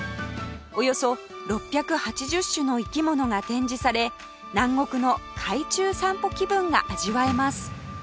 およそ６８０種の生き物が展示され南国の海中散歩気分が味わえます